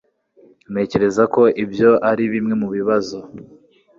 Ntekereza ko ibyo ari bimwe mubibazo.